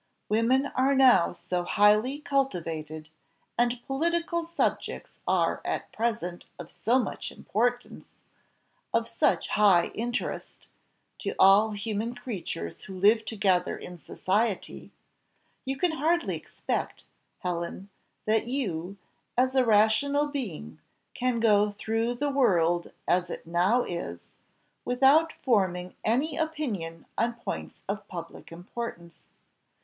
Women are now so highly cultivated, and political subjects are at present of so much importance, of such high interest, to all human creatures who live together in society, you can hardly expect, Helen, that you, as a rational being, can go through the world as it now is, without forming any opinion on points of public importance.